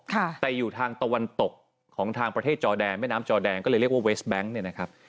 แต่อยู่ทางตะวันตกของทางประเทศจอดแดงแม่น้ำจอดแดงก็เลยเรียกว่าเวสต์แบงค์